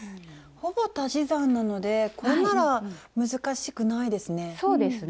ほぼ足し算なのでこれなら難しくないですね。